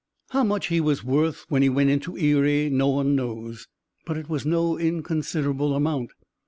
How much he was worth when he went into Erie no one knows, but it was no inconsiderable amount.